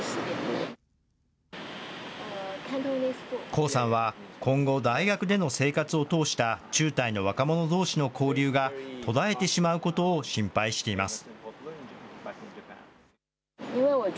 向さんは、今後、大学での生活を通した中台の若者どうしの交流が途絶えてしまうことを心配しています。